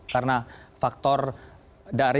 karena faktor dari